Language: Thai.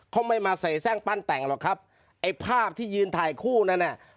เขาไม่มาใส่แทร่งปั้นแต่งหรอกครับไอ้ภาพที่ยืนถ่ายคู่นั้นน่ะ